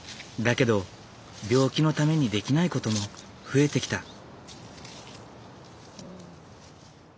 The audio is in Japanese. だけど病気のためにできないことも増えてきた。